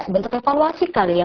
bentuk evaluasi kali ya